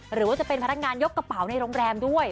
หรือว่าจะเป็นพนักงานยกกระเป๋าในโรงแรมด้วย